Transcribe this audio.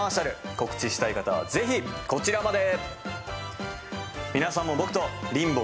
告知したい方はぜひこちらまで！